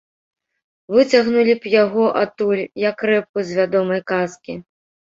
Выцягнулі б яго адтуль, як рэпку з вядомай казкі.